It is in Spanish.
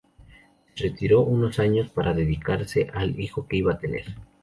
Se retiró unos años para dedicarse al hijo que iba a tener.